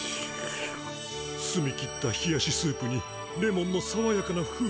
すみきったひやしスープにレモンのさわやかな風味。